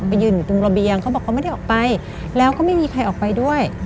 ยืนอยู่ตรงระเบียงเขาบอกเขาไม่ได้ออกไปแล้วก็ไม่มีใครออกไปด้วย